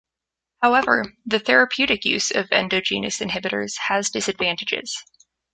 However, the therapeutic use of endogenous inhibitors has disadvantages.